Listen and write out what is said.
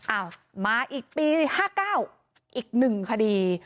อ้าวมาอีกปี๕๙อีก๑คดี